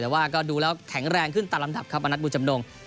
แต่ว่าก็ดูแล้วแข็งแรงขึ้นตามลำดับครับมณัฐบุจำนง